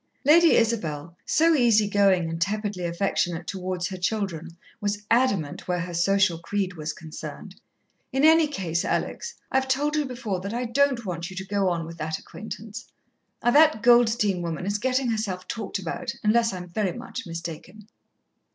Lady Isabel, so easy going and tepidly affectionate towards her children, was adamant where her social creed was concerned. "In any case, Alex, I've told you before that I don't want you to go on with the acquaintance. That Goldstein woman is gettin' herself talked about, unless I'm very much mistaken."